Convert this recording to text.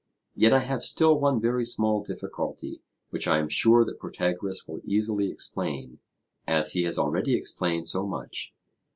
Yet I have still one very small difficulty which I am sure that Protagoras will easily explain, as he has already explained so much.